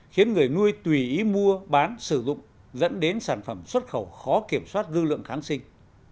khiến người nuôi tùy ý mua bán sử dụng dẫn đến sản phẩm xuất khẩu khó kiểm soát dư lượng kháng sinh